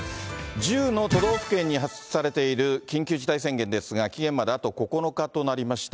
１０の都道府県に発出されている緊急事態宣言ですが、期限まであと９日となりました。